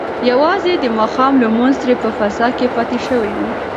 یوازې د ماښام لمونځ ترې په قضا کې پاتې شوی و.